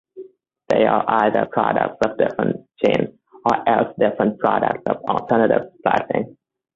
They are either products of different genes, or else different products of alternative splicing.